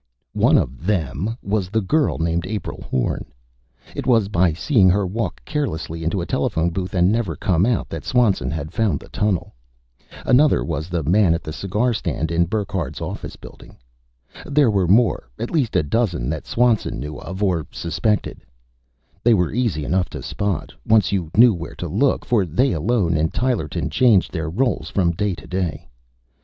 One of "them" was the girl named April Horn. It was by seeing her walk carelessly into a telephone booth and never come out that Swanson had found the tunnel. Another was the man at the cigar stand in Burckhardt's office building. There were more, at least a dozen that Swanson knew of or suspected. They were easy enough to spot, once you knew where to look for they, alone in Tylerton, changed their roles from day to day.